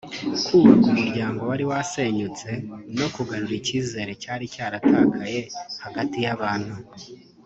kubaka umuryango wari warasenyutse no kugarura ikizere cyari cyaratakaye hagati y’abantu